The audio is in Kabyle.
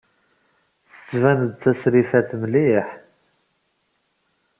Tettbaned-d d tasrifatt mliḥ.